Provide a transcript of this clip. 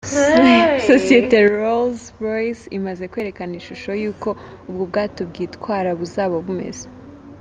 Sosiyete Rolls-Royce imaze kwerekana ishusho y’uko ubwo bwato bwitwara buzaba bumeze.